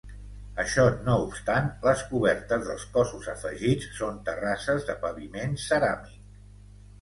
Això no obstant, les cobertes dels cossos afegits són terrasses de paviment ceràmic.